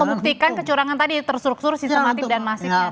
untuk membuktikan kecurangan tadi tersusur sistematik dan masif ya